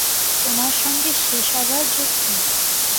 তোমার সঙ্গে সে সভার যোগ কী?